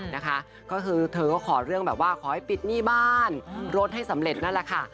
นะคะก็คือเธอก็ขอเรื่องแบบว่าขอให้ปิดหนี้บ้านรถให้สำเร็จนั่นแหละค่ะ